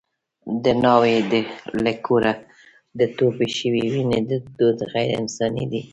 د ناوې له کوره د تویې شوې وینې دود غیر انساني دی.